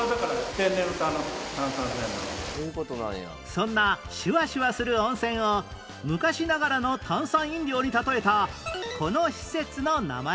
そんなシュワシュワする温泉を昔ながらの炭酸飲料に例えたこの施設の名前は？